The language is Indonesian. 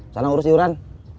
sana urus yuran